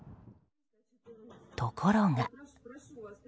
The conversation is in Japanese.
ところが。